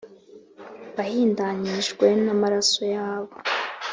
wahindanyijwe n’amaraso yabo